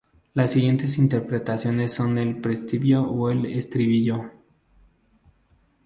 Las siguientes interpretaciones son el pre-estribillo y el estribillo.